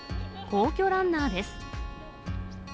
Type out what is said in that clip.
皇居ランナーです。